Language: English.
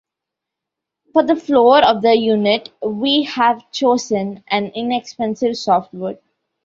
For the floor of the unit, we have chosen an inexpensive soft wood.